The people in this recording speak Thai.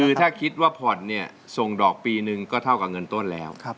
คือถ้าคิดว่าพอดส่งดอกปีหนึ่งก็เท่ากับเงินต้นแล้ว